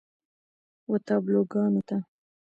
و تابلوګانو ته